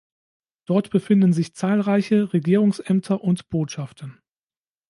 Dort befinden sich zahlreiche Regierungsämter und Botschaften.